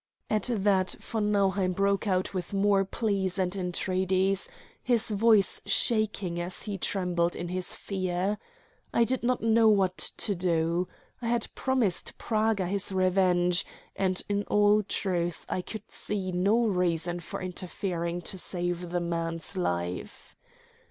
At that von Nauheim broke out with more pleas and entreaties, his voice shaking as he trembled in his fear. I did not know what to do. I had promised Praga his revenge; and in all truth I could see no reason for interfering to save the man's life.